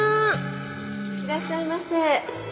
いらっしゃいませ。